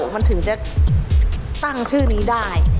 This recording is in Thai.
มันถึงจะตั้งชื่อนี้ได้